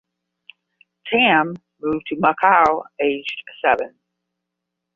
Tam moved to Macau aged seven.